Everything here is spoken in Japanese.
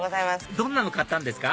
どんなの買ったんですか？